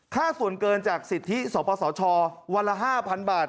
ค่าส่วนเกินจากสิทธิสปสชวันละ๕๐๐๐บาท